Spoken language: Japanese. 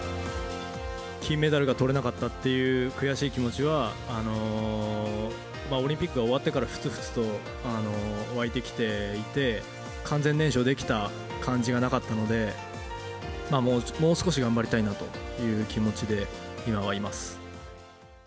金メダルがとれなかったという悔しい気持ちは、オリンピックが終わってから、ふつふつと湧いてきていて、完全燃焼できた感じがなかったので、もう少し頑張りたいなという気持ちで、今はいます。